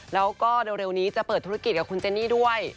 แล้วก็เร็วนี้จะเปิดธุรกิจกับคุณเจนี่ด้วย